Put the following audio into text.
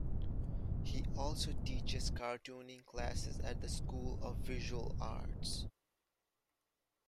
He also teaches cartooning classes at the School of Visual Arts.